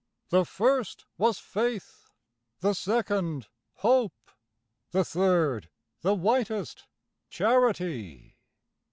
The first was Faith; the second, Hope; The third the whitest Charity.